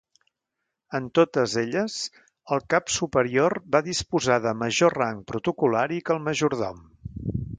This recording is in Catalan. En totes elles, el Cap Superior va disposar de major rang protocol·lari que el Majordom.